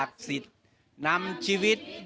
นำชีวิตดินที่สุขนำชีวิตดินที่สุข